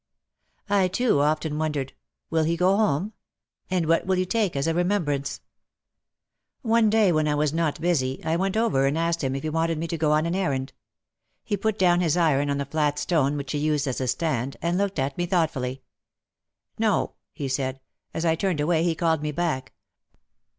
I, too, often won dered, "Will he go home? And what will he take as a remembrance ?" One day when I was not busy I went over and asked him if he wanted me to go on an errand. He put down his iron on the flat stone which he used as a stand, and looked at me thoughtfully. "No," he said. As I turned away he called me back.